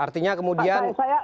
oke artinya kemudian